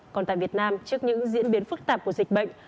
còn tại việt nam trước những diễn biến phức tạp của dịch bệnh